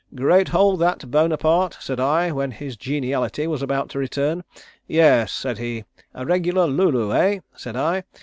'Great hole that, Bonaparte,' said I when his geniality was about to return. 'Yes,' said he. 'A regular lu lu, eh?' said I.